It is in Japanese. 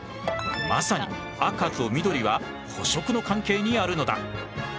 まさに赤と緑は補色の関係にあるのだ。